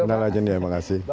minal aireen ya makasih